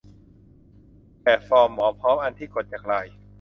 แบบฟอร์มหมอพร้อม อันที่กดจากไลน์